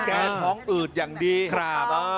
ท้องอืดอย่างดีครับ